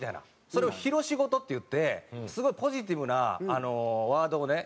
それを「裕言」っていってすごいポジティブなワードをね